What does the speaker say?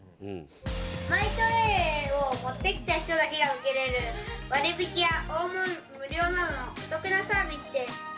マイトレイを持ってきた人だけが受けれる割引や大盛り無料などのお得なサービスです。